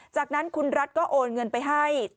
จากนั้นคุณรัฐก็โอนเงินไปให้